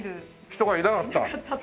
人がいなかった？